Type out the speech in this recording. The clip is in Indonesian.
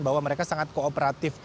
bahwa mereka sangat kooperatif